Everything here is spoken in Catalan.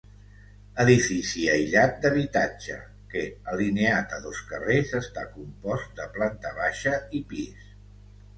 Edifici aïllat d'habitatge que, alineat a dos carrers, està compost de planta baixa i pis.